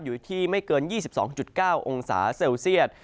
อยู่ที่ไม่เกิน๒๒๙องศาเซลเซียต